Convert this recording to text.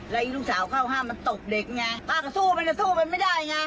แล้วลูกสาวเข้าห้ามมันตกเด็กไงป้าก็สู้มันจะสู้มันไม่ได้ไง